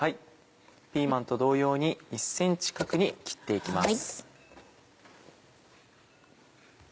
ピーマンと同様に１ｃｍ角に切って行きます。